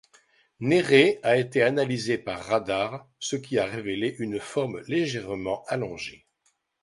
Nérée a été analysé par radar, ce qui a révélé une forme légèrement allongée.